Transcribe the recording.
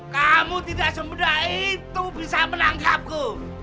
kamu tidak semudah itu bisa menangkapku